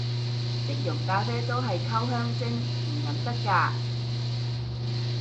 即溶咖啡都係溝香精，唔飲得咖